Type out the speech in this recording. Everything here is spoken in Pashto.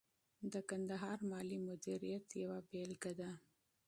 د کندهار مالي مدیریت یوه بیلګه ده.